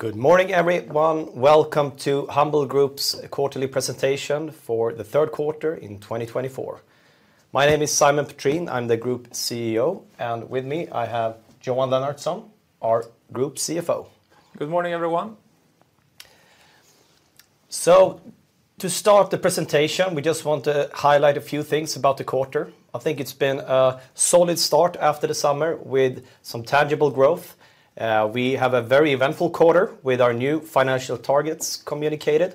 Good morning, everyone. Welcome to Humble Group's Quarterly Presentation for the Q3 in 2024. My name is Simon Petrén. I'm the Group CEO, and with me I have Johan Lennartsson, our Group CFO. Good morning, everyone. To start the presentation, we just want to highlight a few things about the quarter. I think it's been a solid start after the summer with some tangible growth. We have a very eventful quarter with our new financial targets communicated.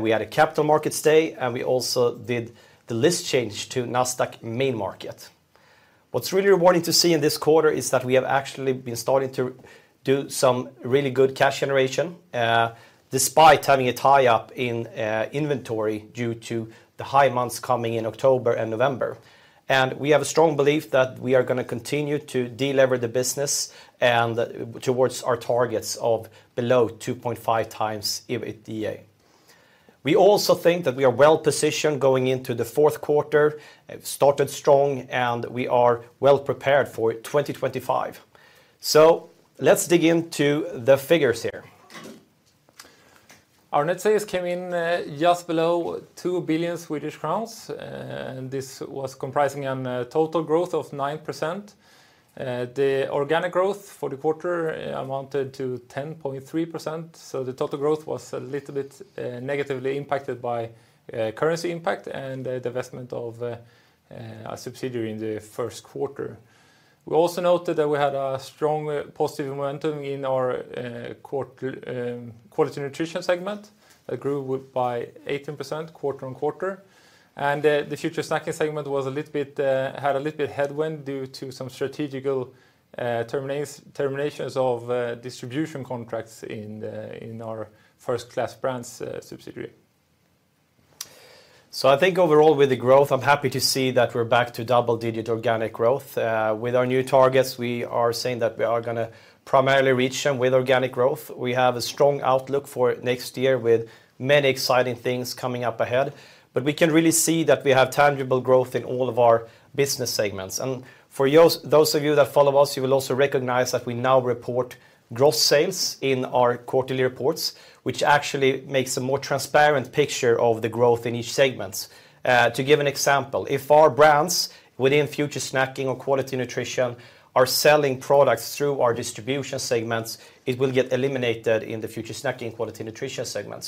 We had a Capital Markets Day, and we also did the listing change to Nasdaq Stockholm main market. What's really rewarding to see in this quarter is that we have actually been starting to do some really good cash generation, despite having a tie-up in inventory due to the high months coming in October and November. We have a strong belief that we are going to continue to deleverage the business towards our targets of below 2.5 times EBITDA. We also think that we are well positioned going into the Q4. It started strong, and we are well prepared for 2025. Let's dig into the figures here. Our net sales came in just below 2 billion Swedish crowns, and this was comprising a total growth of 9%. The organic growth for the quarter amounted to 10.3%, so the total growth was a little bit negatively impacted by currency impact and the divestment of a subsidiary in the Q1. We also noted that we had a strong positive momentum in our Quality Nutrition segment that grew by 18% quarter on quarter, and the Future Snacking segment had a little bit of headwind due to some strategic terminations of distribution contracts in our First Class Brands subsidiary. I think overall, with the growth, I'm happy to see that we're back to double-digit organic growth. With our new targets, we are saying that we are going to primarily reach them with organic growth. We have a strong outlook for next year with many exciting things coming up ahead. We can really see that we have tangible growth in all of our business segments. And for those of you that follow us, you will also recognize that we now report gross sales in our quarterly reports, which actually makes a more transparent picture of the growth in each segment. To give an example, if our brands within Future Snacking or Quality Nutrition are selling products through our distribution segments, it will get eliminated in the Future Snacking Quality Nutrition segment.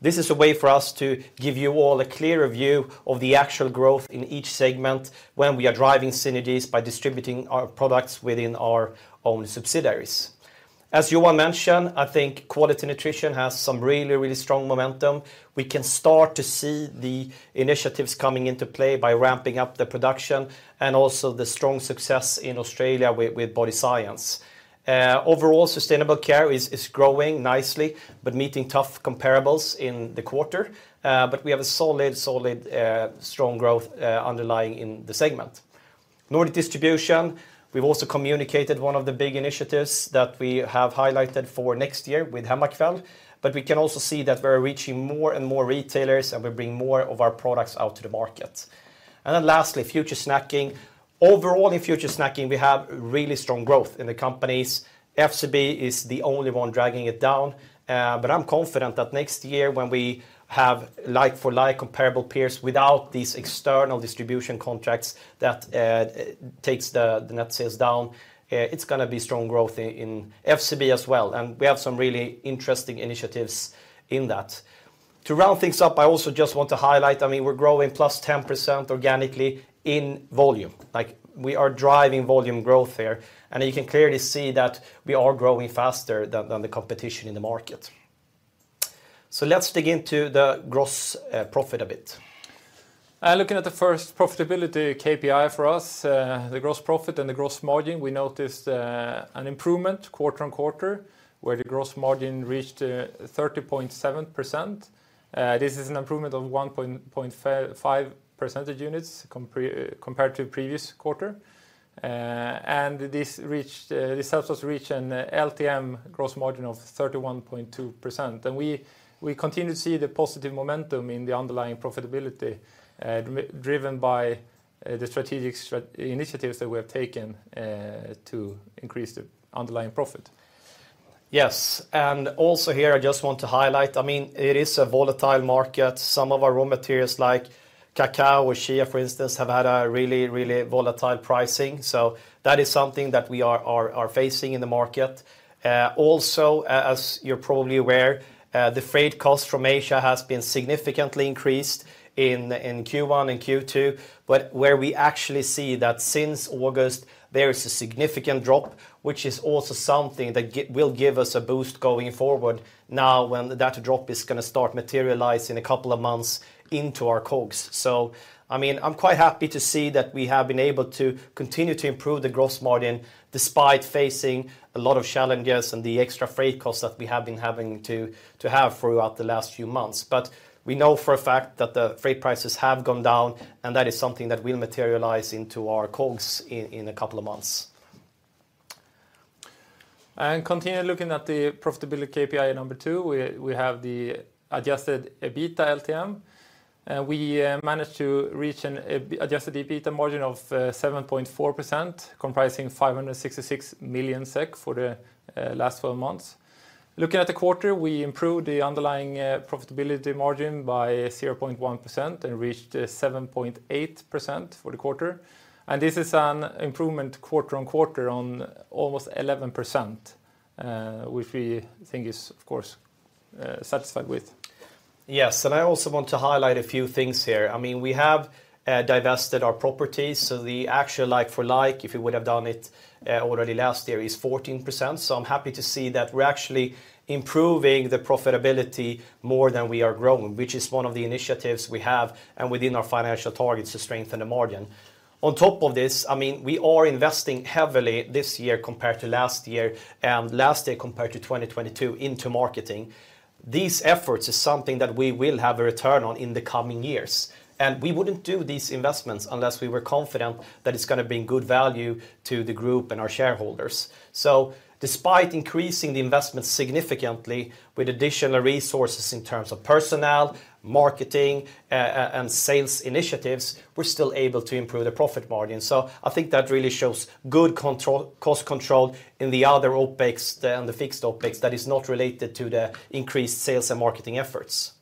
This is a way for us to give you all a clearer view of the actual growth in each segment when we are driving synergies by distributing our products within our own subsidiaries. As Johan mentioned, I think Quality Nutrition has some really, really strong momentum. We can start to see the initiatives coming into play by ramping up the production and also the strong success in Australia with Body Science. Overall, Sustainable Care is growing nicely, but meeting tough comparables in the quarter. But we have a solid, solid, strong growth underlying in the segment. Nordic Distribution, we've also communicated one of the big initiatives that we have highlighted for next year with Hemmakväll. But we can also see that we're reaching more and more retailers, and we bring more of our products out to the market. And then lastly, Future Snacking. Overall, in Future Snacking, we have really strong growth in the companies. FCB is the only one dragging it down. But I'm confident that next year, when we have like-for-like comparable peers without these external distribution contracts that take the net sales down, it's going to be strong growth in FCB as well. And we have some really interesting initiatives in that. To round things up, I also just want to highlight, I mean, we're growing plus 10% organically in volume. We are driving volume growth here. And you can clearly see that we are growing faster than the competition in the market. So, let's dig into the gross profit a bit. Looking at the first profitability KPI for us, the gross profit and the gross margin, we noticed an improvement quarter-on-quarter, where the gross margin reached 30.7%. This is an improvement of 1.5 percentage units compared to the previous quarter, and we continue to see the positive momentum in the underlying profitability, driven by the strategic initiatives that we have taken to increase the underlying profit. Yes. And also here, I just want to highlight, I mean, it is a volatile market. Some of our raw materials, like cacao or chia, for instance, have had a really, really volatile pricing. So, that is something that we are facing in the market. Also, as you're probably aware, the freight costs from Asia have been significantly increased in Q1 and Q2, where we actually see that since August, there is a significant drop, which is also something that will give us a boost going forward now when that drop is going to start materializing a couple of months into our COGS. So, I mean, I'm quite happy to see that we have been able to continue to improve the gross margin despite facing a lot of challenges and the extra freight costs that we have been having to have throughout the last few months. But we know for a fact that the freight prices have gone down, and that is something that will materialize into our COGS in a couple of months. Continuing looking at the profitability KPI number two, we have the Adjusted EBITDA LTM. We managed to reach an Adjusted EBITDA margin of 7.4%, comprising 566 million SEK for the last 12 months. Looking at the quarter, we improved the underlying profitability margin by 0.1% and reached 7.8% for the quarter. This is an improvement quarter-on-quarter on almost 11%, which we think is, of course, satisfied with. Yes. I also want to highlight a few things here. I mean, we have divested our properties. The actual like-for-like, if you would have done it already last year, is 14%. I'm happy to see that we're actually improving the profitability more than we are growing, which is one of the initiatives we have and within our financial targets to strengthen the margin. On top of this, I mean, we are investing heavily this year compared to last year and last year compared to 2022 into marketing. These efforts are something that we will have a return on in the coming years. We wouldn't do these investments unless we were confident that it's going to bring good value to the group and our shareholders. So, despite increasing the investment significantly with additional resources in terms of personnel, marketing, and sales initiatives, we're still able to improve the profit margin. So, I think that really shows good cost control in the other OPEX and the fixed OPEX that is not related to the increased sales and marketing efforts.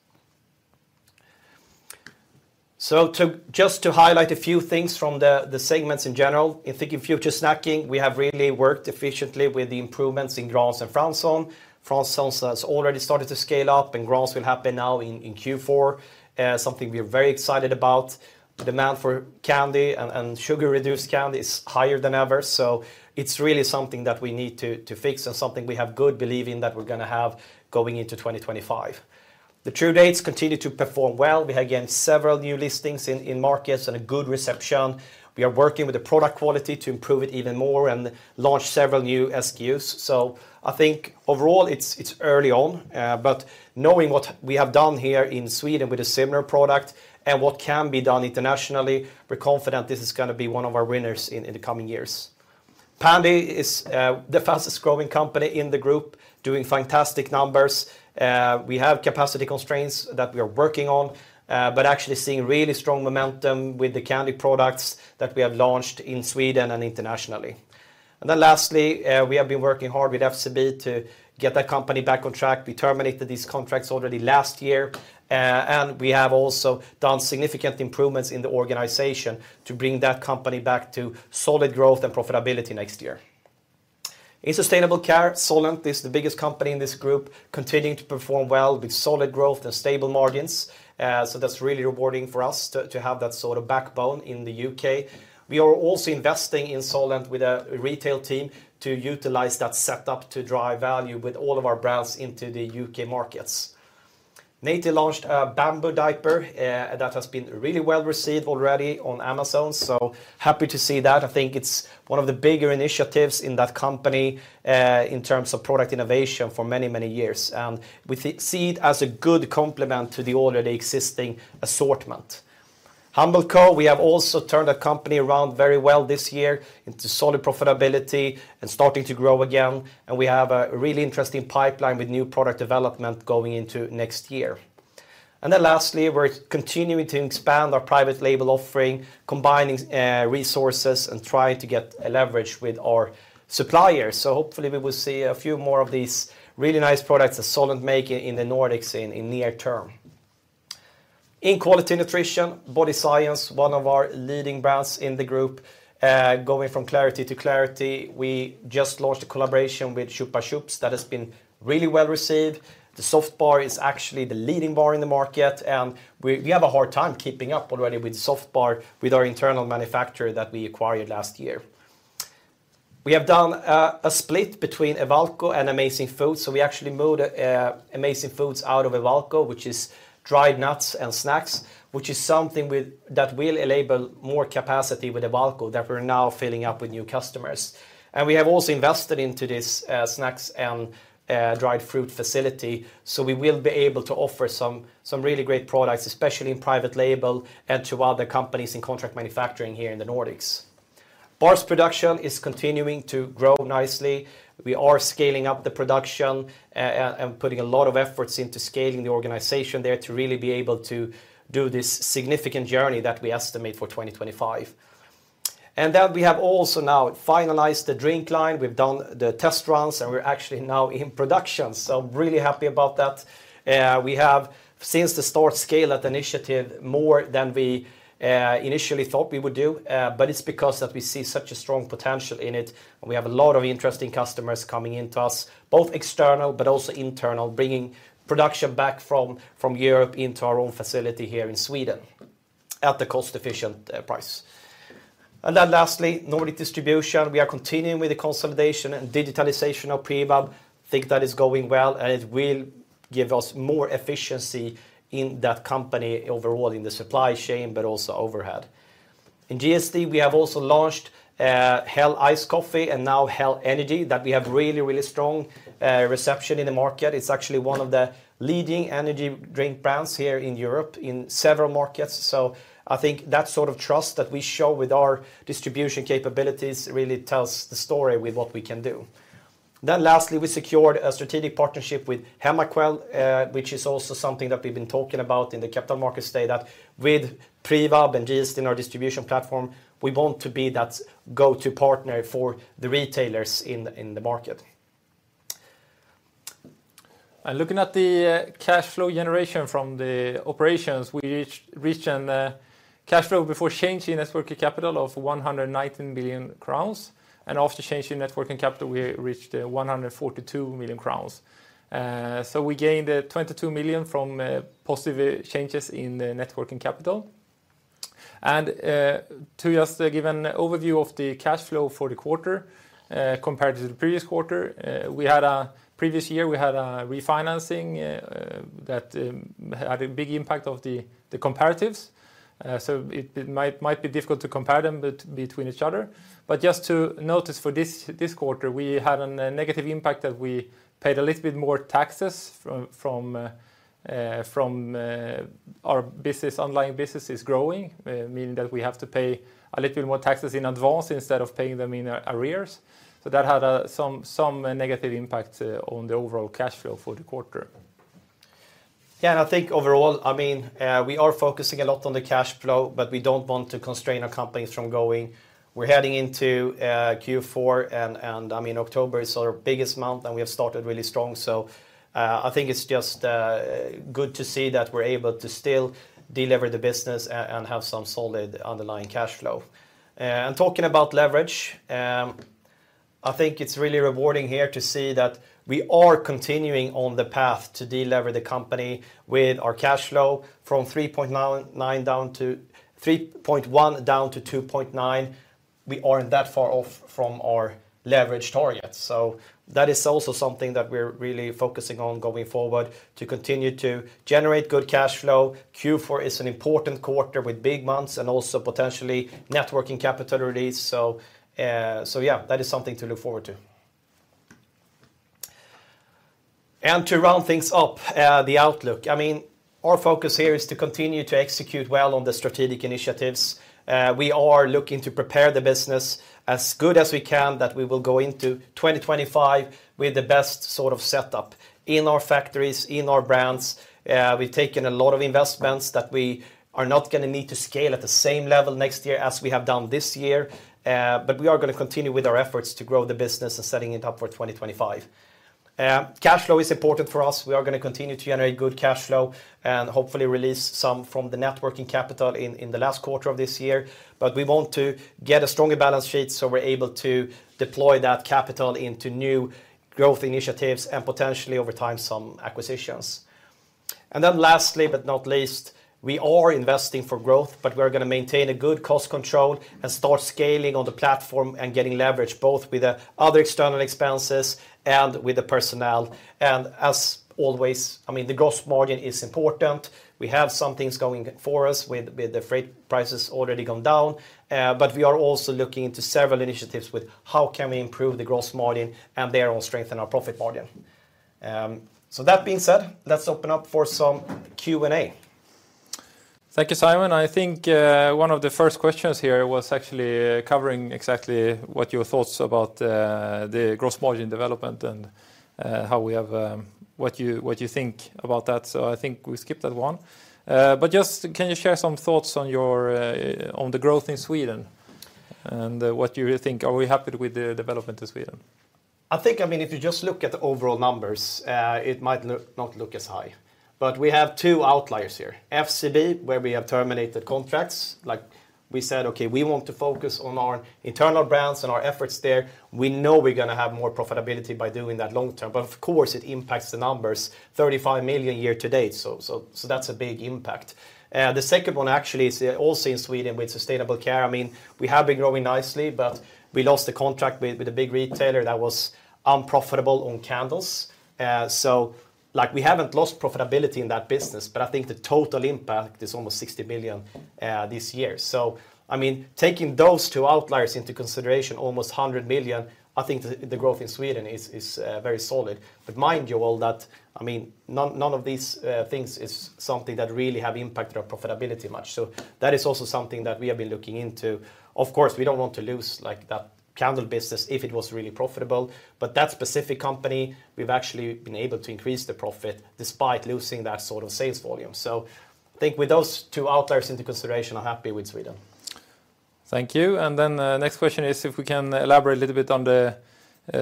So, just to highlight a few things from the segments in general, I think in Future Snacking, we have really worked efficiently with the improvements in Grahns and Franssons. Franssons has already started to scale up, and Grahns will happen now in Q4, something we are very excited about. The demand for candy and sugar-reduced candy is higher than ever. So, it's really something that we need to fix and something we have good belief in that we're going to have going into 2025. The True Dates continue to perform well. We have again several new listings in markets and a good reception. We are working with the product quality to improve it even more and launch several new SKUs. So, I think overall, it's early on. But knowing what we have done here in Sweden with a similar product and what can be done internationally, we're confident this is going to be one of our winners in the coming years. Pändy is the fastest growing company in the group, doing fantastic numbers. We have capacity constraints that we are working on, but actually seeing really strong momentum with the candy products that we have launched in Sweden and internationally. And then lastly, we have been working hard with FCB to get that company back on track. We terminated these contracts already last year. And we have also done significant improvements in the organization to bring that company back to solid growth and profitability next year. In sustainable care, Solent is the biggest company in this group, continuing to perform well with solid growth and stable margins. So, that's really rewarding for us to have that sort of backbone in the U.K. We are also investing in Solent with a retail team to utilize that setup to drive value with all of our brands into the U.K. markets. Naty launched a bamboo diaper that has been really well received already on Amazon. So, happy to see that. I think it's one of the bigger initiatives in that company in terms of product innovation for many, many years. And we see it as a good complement to the already existing assortment. Humble Co., we have also turned that company around very well this year into solid profitability and starting to grow again. And we have a really interesting pipeline with new product development going into next year. And then lastly, we're continuing to expand our private label offering, combining resources and trying to get leverage with our suppliers. So, hopefully, we will see a few more of these really nice products that Solent makes in the Nordics in the near term. In Quality Nutrition, Body Science, one of our leading brands in the group, going from strength to strength, we just launched a collaboration with Chupa Chups that has been really well received. The Soft Bar is actually the leading bar in the market. And we have a hard time keeping up already with Soft Bar with our internal manufacturer that we acquired last year. We have done a split between Ewalco and Amazing Foods, so we actually moved Amazing Foods out of Ewalco, which is dried nuts and snacks, which is something that will enable more capacity with Ewalco that we're now filling up with new customers, and we have also invested into this snacks and dried fruit facility, so we will be able to offer some really great products, especially in private label and to other companies in contract manufacturing here in the Nordics. Bars production is continuing to grow nicely. We are scaling up the production and putting a lot of efforts into scaling the organization there to really be able to do this significant journey that we estimate for 2025, and then we have also now finalized the drink line. We've done the test runs, and we're actually now in production, so I'm really happy about that. We have, since the start, scaled that initiative more than we initially thought we would do, but it's because that we see such a strong potential in it. We have a lot of interesting customers coming into us, both external but also internal, bringing production back from Europe into our own facility here in Sweden at a cost-efficient price, and then lastly, Nordic distribution, we are continuing with the consolidation and digitalization of Privab. I think that is going well, and it will give us more efficiency in that company overall in the supply chain, but also overhead. In GSD, we have also launched Hell Ice Coffee and now Hell Energy that we have really, really strong reception in the market. It's actually one of the leading energy drink brands here in Europe in several markets. I think that sort of trust that we show with our distribution capabilities really tells the story with what we can do. Then lastly, we secured a strategic partnership with Hemmakväll, which is also something that we've been talking about in the Capital Markets Day, that with Privab and GSD in our distribution platform, we want to be that go-to partner for the retailers in the market. Looking at the cash flow generation from the operations, we reached a cash flow before change in working capital of SEK 119 million. After change in working capital, we reached 142 million crowns. We gained 22 million from positive changes in working capital. To just give an overview of the cash flow for the quarter compared to the previous quarter, in the previous year we had a refinancing that had a big impact on the comparatives. It might be difficult to compare them between each other. Just to note for this quarter, we had a negative impact that we paid a little bit more taxes from our underlying businesses growing, meaning that we have to pay a little bit more taxes in advance instead of paying them in arrears. That had some negative impact on the overall cash flow for the quarter. Yeah, and I think overall, I mean, we are focusing a lot on the cash flow, but we don't want to constrain our companies from growing. We're heading into Q4, and I mean, October is our biggest month, and we have started really strong. I think it's just good to see that we're able to still deliver the business and have some solid underlying cash flow. Talking about leverage, I think it's really rewarding here to see that we are continuing on the path to deleverage the company with our cash flow from 3.1 down to 2.9. We aren't that far off from our leverage target. That is also something that we're really focusing on going forward to continue to generate good cash flow. Q4 is an important quarter with big months and also potentially net working capital release. Yeah, that is something to look forward to. To round things up, the outlook, I mean, our focus here is to continue to execute well on the strategic initiatives. We are looking to prepare the business as good as we can that we will go into 2025 with the best sort of setup in our factories, in our brands. We have taken a lot of investments that we are not going to need to scale at the same level next year as we have done this year. We are going to continue with our efforts to grow the business and setting it up for 2025. Cash flow is important for us. We are going to continue to generate good cash flow and hopefully release some from the working capital in the last quarter of this year. But we want to get a stronger balance sheet so we're able to deploy that capital into new growth initiatives and potentially over time some acquisitions. And then lastly, but not least, we are investing for growth, but we're going to maintain a good cost control and start scaling on the platform and getting leverage both with the other external expenses and with the personnel. And as always, I mean, the gross margin is important. We have some things going for us with the freight prices already gone down. But we are also looking into several initiatives with how can we improve the gross margin and thereon strengthen our profit margin. So, that being said, let's open up for some Q&A. Thank you, Simon. I think one of the first questions here was actually covering exactly what your thoughts about the gross margin development and how we have what you think about that. So, I think we skipped that one. But just can you share some thoughts on the growth in Sweden and what you think? Are we happy with the development in Sweden? I think, I mean, if you just look at the overall numbers, it might not look as high. But we have two outliers here. FCB, where we have terminated contracts. Like we said, okay, we want to focus on our internal brands and our efforts there. We know we're going to have more profitability by doing that long term. But of course, it impacts the numbers, 35 million year to date. So, that's a big impact. The second one actually is also in Sweden with Sustainable Care. I mean, we have been growing nicely, but we lost a contract with a big retailer that was unprofitable on candles. So, like we haven't lost profitability in that business, but I think the total impact is almost 60 million this year. So, I mean, taking those two outliers into consideration, almost 100 million, I think the growth in Sweden is very solid. But mind you all that, I mean, none of these things is something that really have impacted our profitability much. So, that is also something that we have been looking into. Of course, we don't want to lose like that candle business if it was really profitable. But that specific company, we've actually been able to increase the profit despite losing that sort of sales volume. So, I think with those two outliers into consideration, I'm happy with Sweden. Thank you. And then the next question is if we can elaborate a little bit on the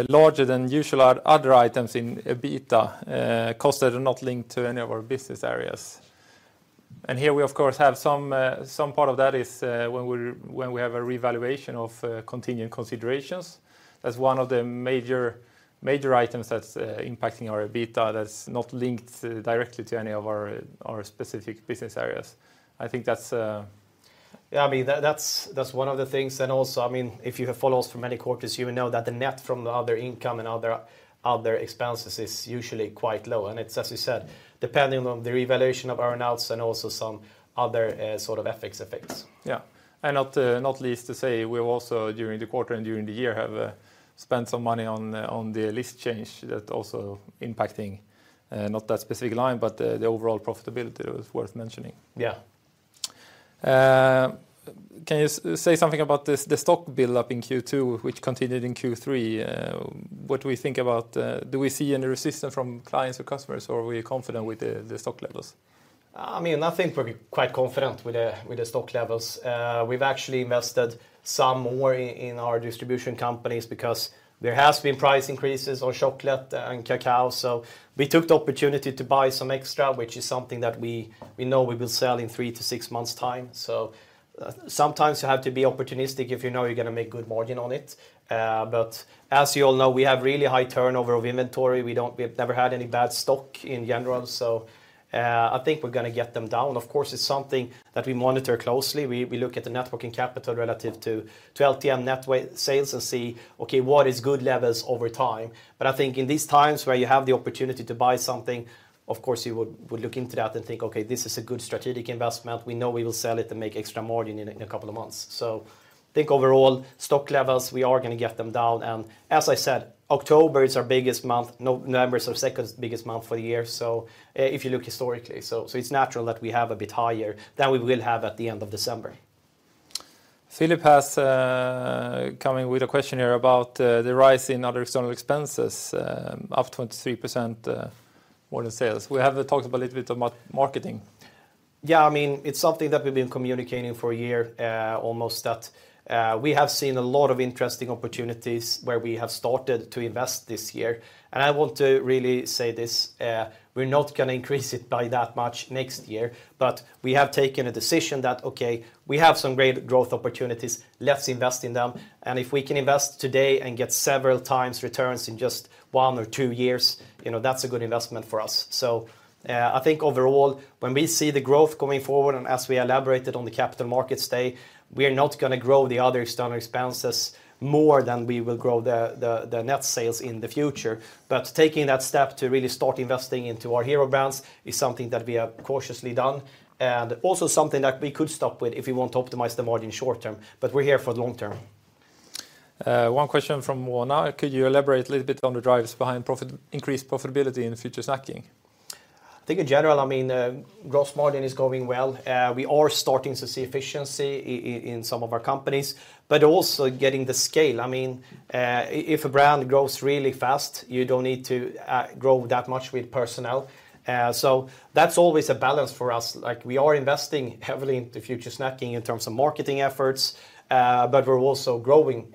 larger than usual other items in EBITDA costs that are not linked to any of our business areas. And here we, of course, have some part of that is when we have a revaluation of continuing considerations. That's one of the major items that's impacting our EBITDA that's not linked directly to any of our specific business areas. I think that's. Yeah, I mean, that's one of the things. And also, I mean, if you have followed us for many quarters, you know that the net from other income and other expenses is usually quite low. And it's, as you said, depending on the revaluation of our notes and also some other sort of other effects. Yeah, and not least to say, we've also during the quarter and during the year have spent some money on the listing change that also impacting not that specific line, but the overall profitability, that was worth mentioning. Yeah. Can you say something about the stock buildup in Q2, which continued in Q3? What do we think about? Do we see any resistance from clients or customers, or are we confident with the stock levels? I mean, I think we're quite confident with the stock levels. We've actually invested some more in our distribution companies because there has been price increases on chocolate and cacao. So, we took the opportunity to buy some extra, which is something that we know we will sell in three to six months' time. So, sometimes you have to be opportunistic if you know you're going to make good margin on it. But as you all know, we have really high turnover of inventory. We've never had any bad stock in general. So, I think we're going to get them down. Of course, it's something that we monitor closely. We look at the working capital relative to LTM net sales and see, okay, what is good levels over time. But I think in these times where you have the opportunity to buy something, of course, you would look into that and think, okay, this is a good strategic investment. We know we will sell it and make extra margin in a couple of months. So, I think overall stock levels, we are going to get them down. And as I said, October is our biggest month. November is our second biggest month for the year. So, if you look historically, it's natural that we have a bit higher than we will have at the end of December. Philip has come in with a question here about the rise in other external expenses of 23% more than sales. We have talked a little bit about marketing. Yeah, I mean, it's something that we've been communicating for a year almost that we have seen a lot of interesting opportunities where we have started to invest this year, and I want to really say this, we're not going to increase it by that much next year, but we have taken a decision that, okay, we have some great growth opportunities, let's invest in them, and if we can invest today and get several times returns in just one or two years, you know, that's a good investment for us, so I think overall, when we see the growth coming forward and as we elaborated on the Capital Markets Day today, we are not going to grow the other external expenses more than we will grow the net sales in the future. But taking that step to really start investing into our hero brands is something that we have cautiously done and also something that we could stop with if we want to optimize the margin short term. But we're here for the long term. One question from Mona. Could you elaborate a little bit on the drivers behind increased profitability in future snacking? I think in general, I mean, gross margin is going well. We are starting to see efficiency in some of our companies, but also getting the scale. I mean, if a brand grows really fast, you don't need to grow that much with personnel. So, that's always a balance for us. Like we are investing heavily into Future Snacking in terms of marketing efforts, but we're also growing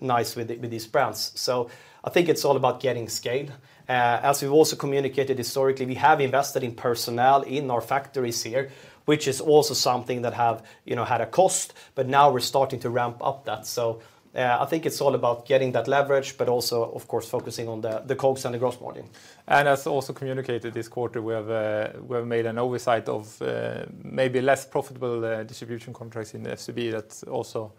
nice with these brands. So, I think it's all about getting scale. As we've also communicated historically, we have invested in personnel in our factories here, which is also something that have, you know, had a cost, but now we're starting to ramp up that. So, I think it's all about getting that leverage, but also, of course, focusing on the COGS and the gross margin. And as also communicated this quarter, we have made an oversight of maybe less profitable distribution contracts in the FCB that also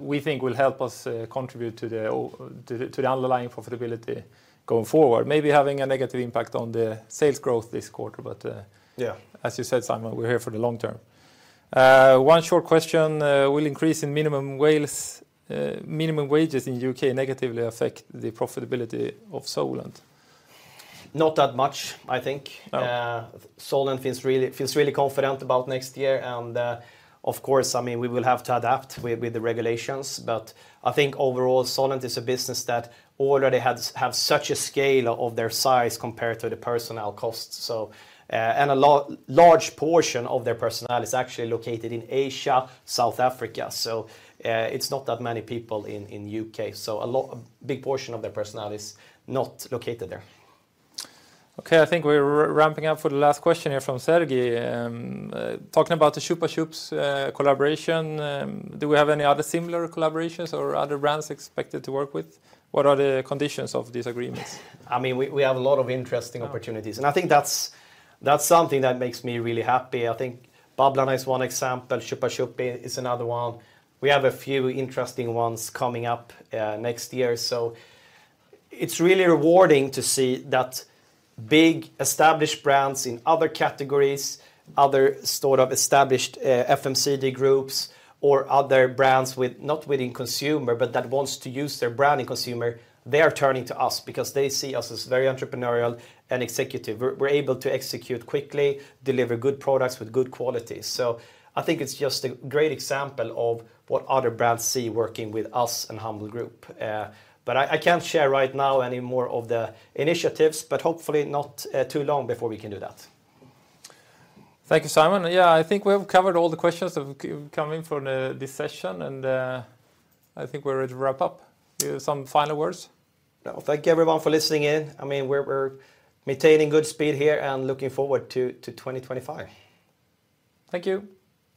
we think will help us contribute to the underlying profitability going forward. Maybe having a negative impact on the sales growth this quarter, but as you said, Simon, we're here for the long term. One short question. Will increase in minimum wages in the U.K. negatively affect the profitability of Solent? Not that much, I think. Solent feels really confident about next year. Of course, I mean, we will have to adapt with the regulations. I think overall, Solent is a business that already has such a scale of their size compared to the personnel costs. And a large portion of their personnel is actually located in Asia, South Africa. It's not that many people in the U.K. A big portion of their personnel is not located there. Okay, I think we're ramping up for the last question here from Sergiy. Talking about the Chupa Chups collaboration, do we have any other similar collaborations or other brands expected to work with? What are the conditions of these agreements? I mean, we have a lot of interesting opportunities, and I think that's something that makes me really happy. I think Babylon is one example. Chupa Chups is another one. We have a few interesting ones coming up next year, so it's really rewarding to see that big established brands in other categories, other sort of established FMCG groups or other brands with not within consumer, but that wants to use their brand in consumer, they are turning to us because they see us as very entrepreneurial and executive. We're able to execute quickly, deliver good products with good quality. So, I think it's just a great example of what other brands see working with us and Humble Group, but I can't share right now any more of the initiatives, but hopefully not too long before we can do that. Thank you, Simon. Yeah, I think we have covered all the questions that have come in for this session, and I think we're ready to wrap up. Do you have some final words? No, thank you everyone for listening in. I mean, we're maintaining good speed here and looking forward to 2025. Thank you.